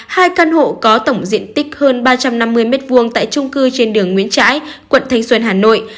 hai căn hộ có tổng diện tích hơn ba trăm năm mươi m hai tại trung cư trên đường nguyễn trãi quận thanh xuân hà nội